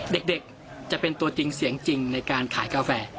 เด็กจะเป็นตัวจริงเสียงจริงในการขายกาแฟ